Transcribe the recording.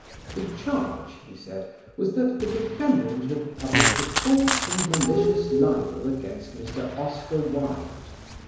The charge, he said, was that the defendant had published a false and malicious libel against Mr. Oscar Wilde.